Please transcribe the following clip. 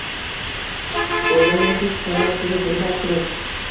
Oʼlimni his qilmay turib, bilmay turib